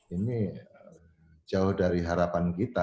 ini jauh dari harapan kita